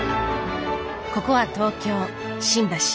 ここは東京・新橋。